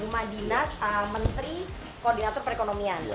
rumah dinas menteri koordinator perekonomian